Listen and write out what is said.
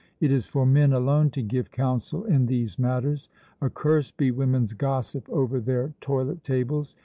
"It is for men alone to give counsel in these matters. Accursed be women's gossip over their toilet tables.